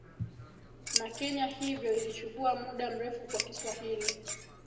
na Kenya hivyo ilichukua muda mrefu kwa Kiswahili